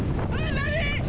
何？